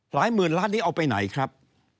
หมื่นล้านนี้เอาไปไหนครับ